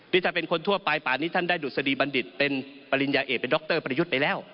นี่ถ้าเป็นคนทั่วไปป่านนี้ท่านได้ดุษฎีบัณฑิตเป็นปริญญาเอกเป็นดรประยุทธ์ไปแล้ว